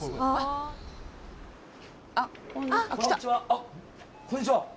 あっこんにちは。